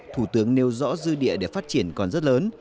thủ tướng nêu rõ dư địa để phát triển còn rất lớn